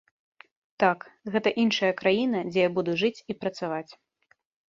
Так, гэта іншая краіна, дзе я буду жыць і працаваць.